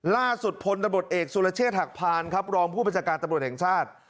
ล่าสุดพลตำรวจเอกสุรเชษฐหักพานครับรองผู้บัญชาการตำรวจแห่งชาติ